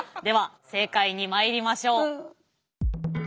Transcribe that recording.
では正解にまいりましょう。